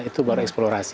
itu baru eksplorasi